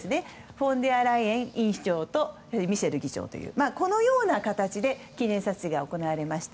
フォンデアライエン委員長とミシェル議長という形で記念撮影が行われました。